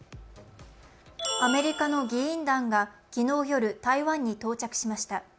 アメリカの議員団が昨日夜、台湾に到着しました。